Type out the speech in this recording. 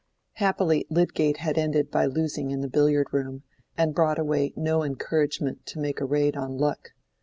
Happily Lydgate had ended by losing in the billiard room, and brought away no encouragement to make a raid on luck.